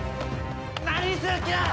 何する気だ！？